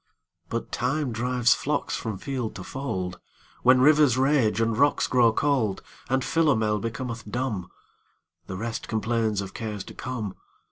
But Time drives flocks from field to fold; When rivers rage and rocks grow cold; And Philomel becometh dumb; The rest complains of cares to come.